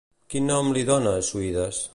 Quin nom li dona Suides?